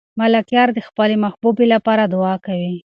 ملکیار د خپلې محبوبې لپاره دعا کوي.